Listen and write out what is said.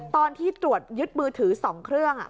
ตอนที่ตรวจยึดมือถือ๒เครื่อง